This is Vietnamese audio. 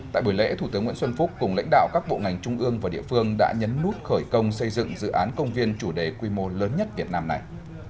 tại buổi lễ thủ tướng nguyễn xuân phúc cùng lãnh đạo các bộ ngành trung ương và địa phương đã nhấn nút khởi công xây dựng dự án công viên chủ đề quy mô lớn nhất việt nam này